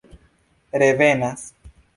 revenas